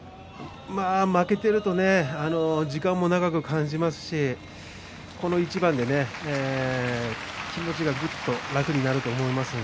負けていると時間も長く感じますしこの一番で気持ちがぐっと楽になると思います。